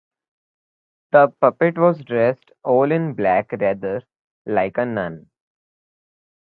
The puppet was dressed all in black, rather like a nun.